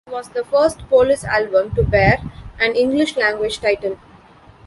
It was the first Police album to bear an English-language title.